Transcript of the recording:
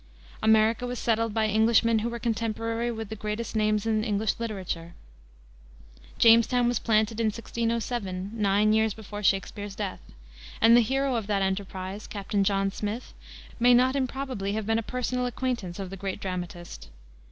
America was settled by Englishmen who were contemporary with the greatest names in English literature. Jamestown was planted in 1607, nine years before Shakspeare's death, and the hero of that enterprize, Captain John Smith, may not improbably have been a personal acquaintance of the great dramatist.